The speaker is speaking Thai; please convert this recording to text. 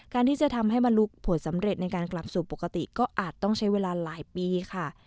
ที่จะทำให้บรรลุผลสำเร็จในการกลับสู่ปกติก็อาจต้องใช้เวลาหลายปีค่ะ